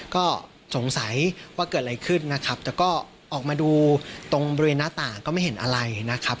ก็สงสัยว่าเกิดอะไรขึ้นนะครับแต่ก็ออกมาดูตรงบริเวณหน้าต่างก็ไม่เห็นอะไรนะครับ